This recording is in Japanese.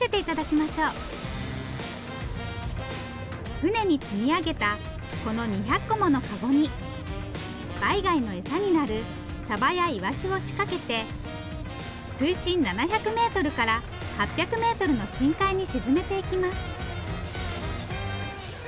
船に積み上げたこの２００個もの籠にバイ貝の餌になるサバやイワシを仕掛けて水深７００メートルから８００メートルの深海に沈めていきます。